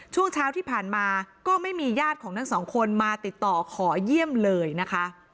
ช่วงเช้าที่ผ่านมาก็ไม่มีญาติของทั้งสองคนมาติดต่อขอเยี่ยมเลยนะคะ